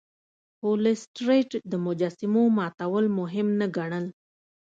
خو لیسټرډ د مجسمو ماتول مهم نه ګڼل.